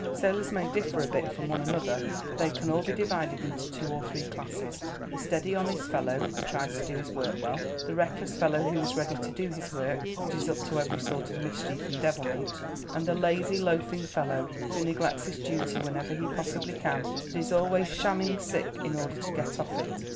Sailors may differ a bit one from another, but they can all be divided into two or three classes the steady honest fellow who tries to do his work well; the reckless fellow who is ready to do his work, but is up to every sort of mischief and devilment; and the lazy, loafing fellow who neglects his duty whenever he possibly can, and is always shamming sick in order to get off it.